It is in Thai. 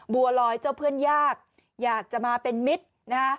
บัวลอยเจ้าเพื่อนยากอยากจะมาเป็นมิตรนะฮะ